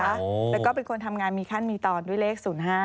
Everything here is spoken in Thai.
แล้วก็เป็นคนทำงานมีขั้นมีตอนด้วยเลข๐๕